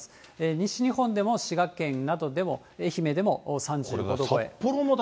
西日本でも滋賀県などでも、愛媛でも３５度超え。